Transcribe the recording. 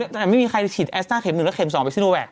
แต่ไม่มีใครฉีดแอสตาร์เข็มหนึ่งและเข็มสองเอคซิโนแวก